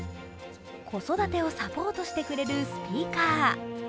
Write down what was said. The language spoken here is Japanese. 子育てをサポートしてくれるスピーカー。